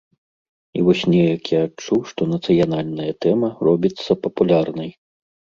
І вось неяк я адчуў, што нацыянальная тэма робіцца папулярнай.